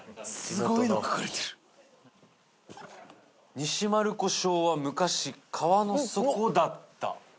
「西丸子小は昔川の底だった」。